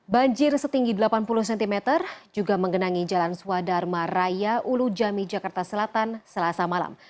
banjir setinggi delapan puluh cm juga menggenangi jalan swadharma raya ulu jami jakarta selatan selasa malam